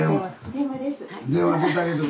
電話です。